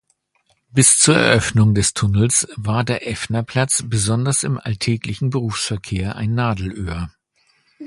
Bis zur Eröffnung des Tunnels war der Effnerplatz besonders im alltäglichen Berufsverkehr ein Nadelöhr.